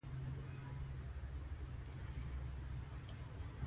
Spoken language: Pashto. د افغانستان جلکو د افغانستان د موسم د بدلون سبب کېږي.